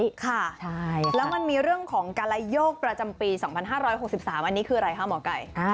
ใช่ค่ะแล้วมันมีเรื่องของการไลโยกประจำปี๒๕๖๓อันนี้คืออะไรคะหมอไก่